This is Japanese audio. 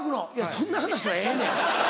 そんな話はええねん。